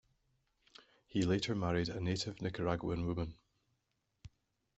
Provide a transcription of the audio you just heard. He later married a native Nicaraguan woman.